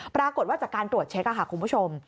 ปรากฏว่าจากการตรวจเช็คค่ะคุณผู้ชม